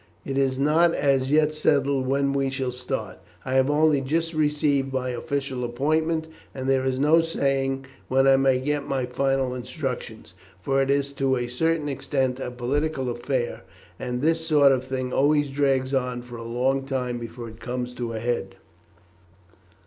It is not as yet settled when we shall start. I have only just received my official appointment, and there is no saying when I may get my final instructions; for it is to a certain extent a political affair, and this sort of thing always drags on for a long time before it comes to a head.